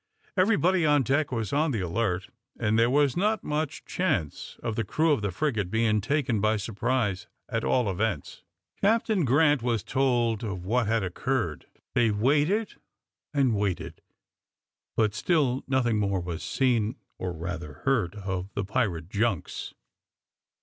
Everybody on deck was on the alert, and there was not much chance of the crew of the frigate being taken by surprise at all events. Captain Grant was told of what had occurred; they waited and waited, but still nothing more was seen, or rather heard, of the pirate junks.